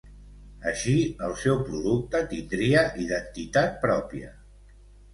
Així, el seu producte tindria identitat pròpia.